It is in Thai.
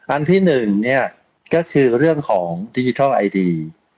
อันที่๑ก็คือเรื่องของดิจิทัลไอดี